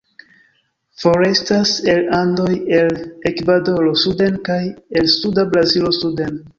Forestas el Andoj el Ekvadoro suden kaj el suda Brazilo suden.